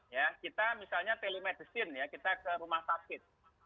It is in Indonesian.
ya kita misalnya telemedicine ya kita ke rumah sakit